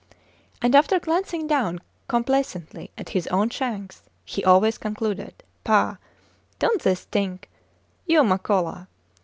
And after glancing down complacently at his own shanks, he always concluded: Pah! Dont they stink! You, Makola!